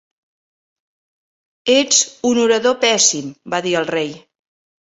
"Ets un orador pèssim", va dir el rei.